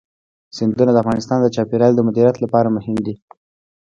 سیندونه د افغانستان د چاپیریال د مدیریت لپاره مهم دي.